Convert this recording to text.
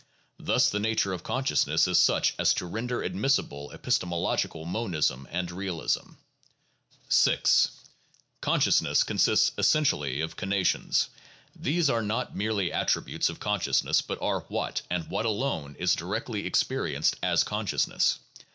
Thus the nature of consciousness is such as to render admissible epistemological monism and realism. (13 ; cf. 4, 19.) 6. Consciousness consists essentially of conations; these are not merely attributes of consciousness, but are what (and what alone) is directly experienced as consciousness.